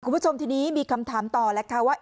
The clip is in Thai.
คุณผู้ชมทีนี้มีคำถามต่อแล้วค่ะว่า